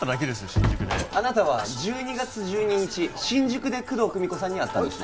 新宿であなたは１２月１２日新宿で工藤久美子さんに会ったんですね